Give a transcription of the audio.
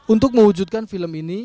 untuk mewujudkan film ini